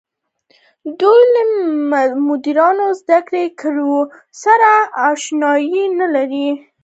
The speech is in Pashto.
دوی له مډرنو زده کړو سره اشنايي نه لري.